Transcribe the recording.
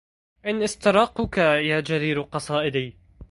إن استراقك يا جرير قصائدي